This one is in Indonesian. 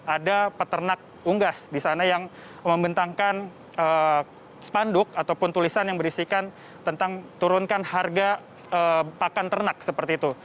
ada peternak unggas di sana yang membentangkan spanduk ataupun tulisan yang berisikan tentang turunkan harga pakan ternak seperti itu